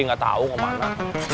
nggak tahu ke mana